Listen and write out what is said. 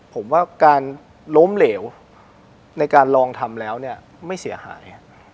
ผมว่าการล้มเหลวในการลองทำแล้วเนี่ยไม่เสียหาย